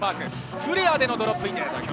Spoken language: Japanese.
フレアでのドロップイン。